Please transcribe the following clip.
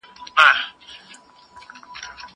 زه مخکي پوښتنه کړې وه!